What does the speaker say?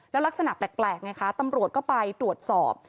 แล้วลักษณะแปลกไงคะตำรวจก็ไปตรวจสอบ